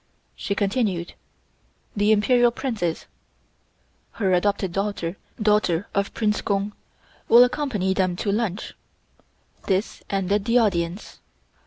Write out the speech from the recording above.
She continued: "The Imperial Princess (her adopted daughter daughter of Prince Kung) will accompany them to lunch." This ended the audience.